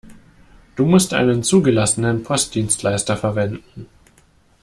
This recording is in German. Du musst einen zugelassenen Postdienstleister verwenden.